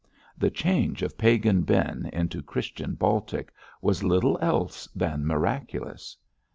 The change of Pagan Ben into Christian Baltic was little else than miraculous.